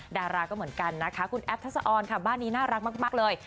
ดาราก็เหมือนกันนะคะคุณแอฟทัศออนค่ะบ้านนี้น่ารักมากเลย